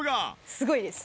すごいです。